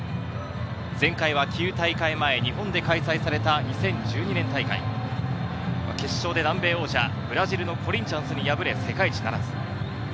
前回は９大会前、日本で開催された２０１２年大会、決勝で南米王者ブラジルのコリンチャンスに破れ、世界一ならず。